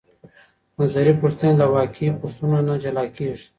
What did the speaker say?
نظري پوښتنې له واقعي پوښتنو نه جلا کیږي.